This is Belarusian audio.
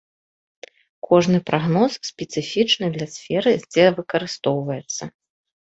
Кожны прагноз спецыфічны для сферы дзе выкарыстоўваецца.